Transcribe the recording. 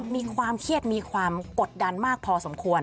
มีความเครียดมีความกดดันมากพอสมควร